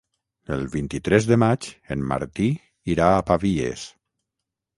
El vint-i-tres de maig en Martí irà a Pavies.